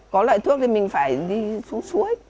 có loại thuốc thì mình phải đi xuống suối